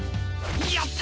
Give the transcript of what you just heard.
やった！